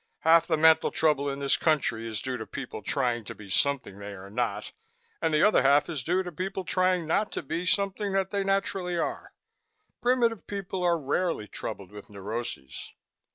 Half the mental trouble in this country is due to people trying to be something they are not, and the other half is due to people trying not to be something that they naturally are. Primitive people are rarely troubled with neuroses."